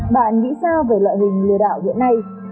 bạn nghĩ sao về loại hình lừa đảo hiện nay